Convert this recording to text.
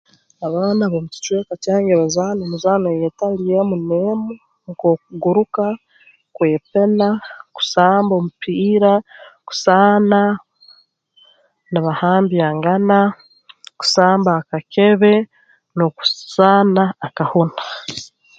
Abaana b'omukicweka kyange bazaana emizaano eyeetali emu n'emu nk'okuguruka kwepena kusamba omupiira kusaana nibahambyangana kusamba akakebe n'okuzaana akahuna